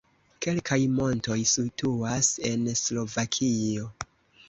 Kelkaj montoj situas en Slovakio.